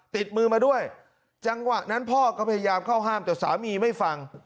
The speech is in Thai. ติดมือมาด้วยจังหวะนั้นพ่อก็พยายามเข้าห้ามแต่สามีไม่ฟัง